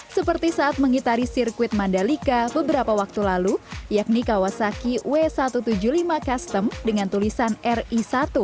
seperti saat mengitari sirkuit mandalika beberapa waktu lalu yakni kawasaki w satu ratus tujuh puluh lima custom dengan tulisan ri satu